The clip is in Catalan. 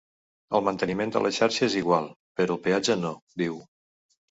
El manteniment de la xarxa és igual, però el peatge no, diu.